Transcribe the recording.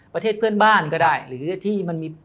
ประเทศเพื่อนบ้านก็ได้